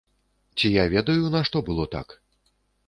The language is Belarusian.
Ці я ведаю, нашто было так?